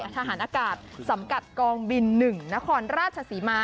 ทหารอากาศสังกัดกองบิน๑นครราชศรีมา